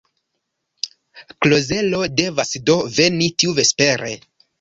Klozelo devas do veni tiuvespere?